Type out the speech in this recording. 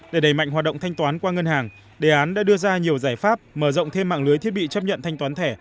để đẩy mạnh hoạt động thanh toán qua ngân hàng đề án đã đưa ra nhiều giải pháp mở rộng thêm mạng lưới thiết bị chấp nhận thanh toán thẻ